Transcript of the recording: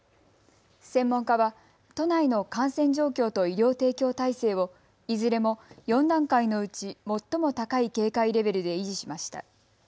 専門家は都内の感染状況と医療提供体制をいずれも４段階のうち最も高い警戒レベルで維持しました。